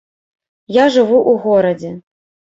Я жыву ў горадзе.